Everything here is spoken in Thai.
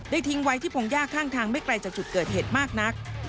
ทิ้งไว้ที่พงยากข้างทางไม่ไกลจากจุดเกิดเหตุมากนัก